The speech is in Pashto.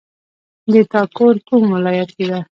د تا کور کوم ولایت کې ده